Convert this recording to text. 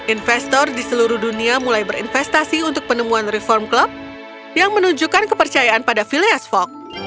investor di seluruh dunia mulai berinvestasi untuk penemuan reform club yang menunjukkan kepercayaan pada philias folk